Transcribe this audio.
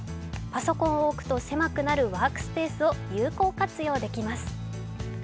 パソコンを置くと狭くなるワークスペースを有効活用できます。